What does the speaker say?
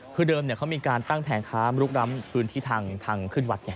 คือเดิมเขามีการตั้งแผงค้ามลุกล้ำพื้นที่ทางขึ้นวัดไง